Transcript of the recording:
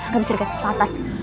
gak bisa dikasih kesempatan